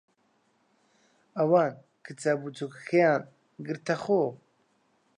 ئەوان کچە بچووکەکەیان گرتەخۆ.